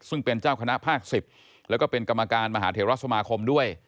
ซึ่งเป็นเจ้าคณะภาค๑๐แล้วก็เป็นกรรมการมหาเทราสมาคมด้วย